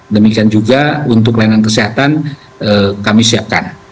demikian juga untuk layanan kesehatan kami siapkan